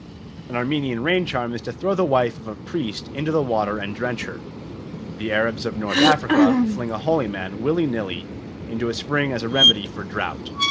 An Armenian rain charm is to throw the wife of a priest into the water and drench her. The Arabs of North Africa fling a holy man, willy nilly, into a spring as a remedy for drought.